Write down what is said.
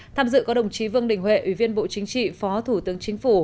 tham dự có đồng chí vương đình huệ ủy viên bộ chính trị phó thủ tướng chính phủ